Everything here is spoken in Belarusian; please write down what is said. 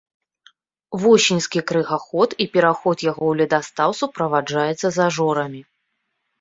Восеньскі крыгаход і пераход яго ў ледастаў суправаджаецца зажорамі.